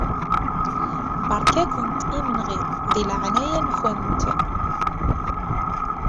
Beṛka-kent imenɣi di leɛnaya-nkent.